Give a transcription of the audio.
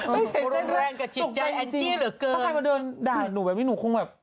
ไม่เสแทร่งหรอกสงใจแอ้งจี้เหลือเกินถ้าใครมาเดินด่าอย่างหนูแบบนี้หนูคงแบบ